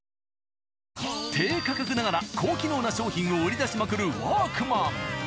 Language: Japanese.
低価格ながら高機能な商品を売り出しまくるワークマン。